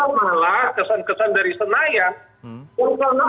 malah kesan kesan dari senayan